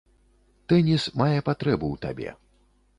Тэніс мае патрэбу ў табе.